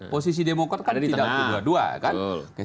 posisi demokrasi kan tidak kedua dua